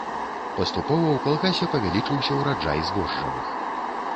Паступова ў калгасе павялічыўся ўраджай збожжавых.